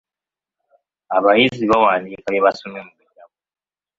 Abayizi bawandiika bye basomye mu bitabo.